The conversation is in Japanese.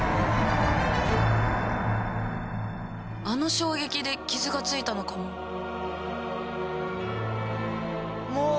あの衝撃で傷がついたのかも。